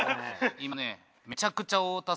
今ね。